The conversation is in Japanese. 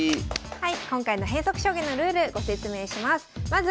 はい。